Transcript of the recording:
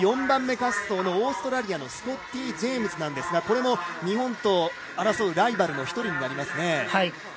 ４番目滑走の、オーストラリアスコッティ・ジェームズなんですがこれも日本と争うライバルの一人になりますね。